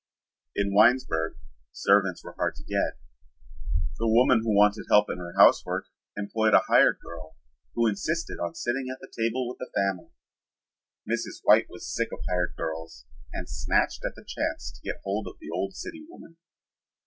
In Winesburg servants were hard to get. The woman who wanted help in her housework employed a "hired girl" who insisted on sitting at the table with the family. Mrs. White was sick of hired girls and snatched at the chance to get hold of the old city woman.